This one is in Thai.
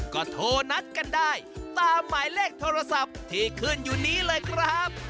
ก็โทรนัดกันได้ตามหมายเลขโทรศัพท์ที่ขึ้นอยู่นี้เลยครับ